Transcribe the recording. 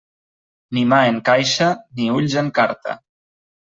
Ni mà en caixa, ni ulls en carta.